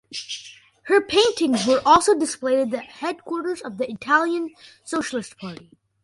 Her paintings were also displayed at the headquarters of the Italian Socialist Party.